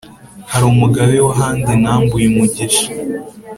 hari umugabe w'ahandi nambuye umugisha